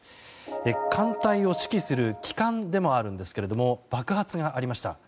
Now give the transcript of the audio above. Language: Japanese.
艦隊を指揮する旗艦でもあるんですが爆発がありました。